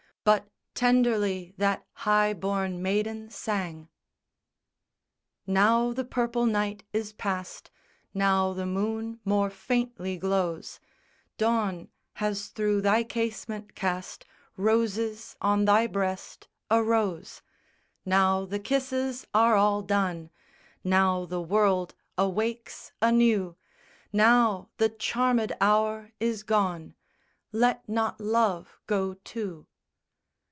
But tenderly that high born maiden sang. SONG _Now the purple night is past, Now the moon more faintly glows, Dawn has through thy casement cast Roses on thy breast, a rose; Now the kisses are all done, Now the world awakes anew, Now the charmed hour is gone, Let not love go, too.